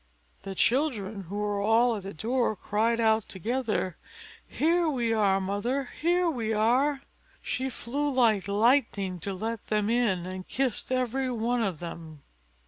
The children, who were all at the door, cried out together, "Here we are, mother, here we are!" She flew like lightning to let them in, and kissed every one of them.